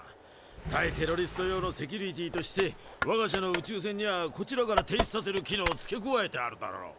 対テロリスト用のセキュリティーとしてわが社の宇宙船にはこちらから停止させる機能を付け加えてあるだろう。